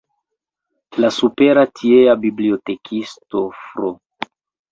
La supera tiea bibliotekisto Fr.